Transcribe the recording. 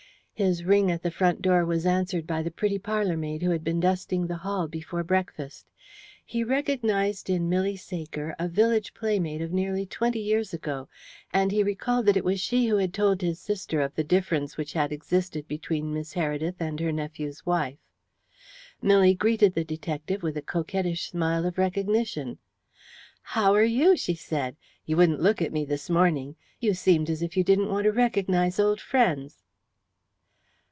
His ring at the front door was answered by the pretty parlourmaid who had been dusting the hall before breakfast. He recognized in Milly Saker a village playmate of nearly twenty years ago, and he recalled that it was she who had told his sister of the difference which had existed between Miss Heredith and her nephew's wife. Milly greeted the detective with a coquettish smile of recognition. "How are you?" she said. "You wouldn't look at me this morning. You seemed as if you didn't want to recognize old friends."